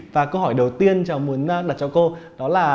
và câu hỏi đầu tiên chào muốn đặt cho cô đó là